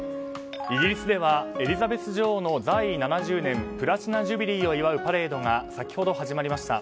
イギリスではエリザベス女王の在位７０年プラチナ・ジュビリーを祝うパレードが先ほど始まりました。